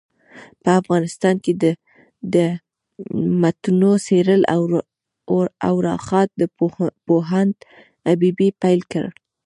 په افغانستان کي دمتونو څېړل ارواښاد پوهاند حبیبي پيل کړ.